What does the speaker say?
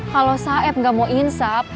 kalau saeb gak mau insap